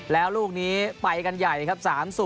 แล้วลูกนี้ไปกันใหญ่ครับ๓๐